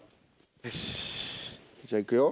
よしっじゃあいくよ。